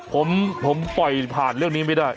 ผมปล่อยผ่านเรื่องนี้ไม่ได้